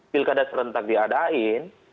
pilkada serentak diadain